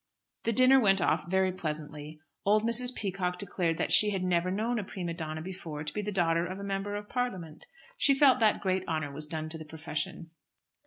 The dinner went off very pleasantly. Old Mrs. Peacock declared that she had never known a prima donna before to be the daughter of a Member of Parliament. She felt that great honour was done to the profession.